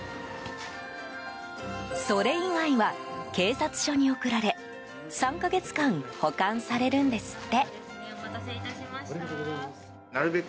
それ以外は、警察署に送られ３か月保管されるんですって。